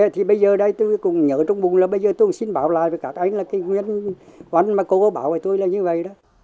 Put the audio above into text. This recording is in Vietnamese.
thì bây giờ đây tôi cũng nhớ trong bụng là bây giờ tôi xin bảo lại với các anh là cái nguyên văn mà cô có bảo với tôi là như vậy đó